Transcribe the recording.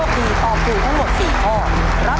พร้อมไหมครับ